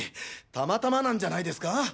たまたまなんじゃないですか？